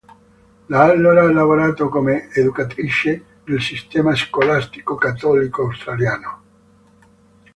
Da allora ha lavorato come educatrice nel sistema scolastico cattolico australiano.